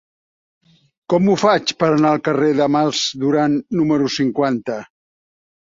Com ho faig per anar al carrer del Mas Duran número cinquanta?